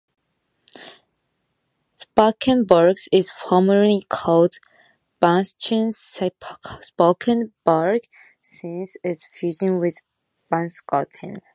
Spakenburg is formally called Bunschoten-Spakenburg since its fusion with Bunschoten.